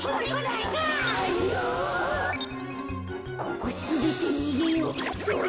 ここすべってにげよう。